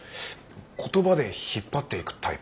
言葉で引っ張っていくタイプ